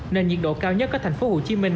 nền nhiệt độ cao nhất ở thành phố hồ chí minh